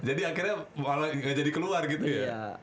jadi akhirnya malah gak jadi keluar gitu ya